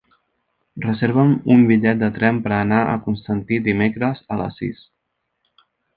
Reserva'm un bitllet de tren per anar a Constantí dimecres a les sis.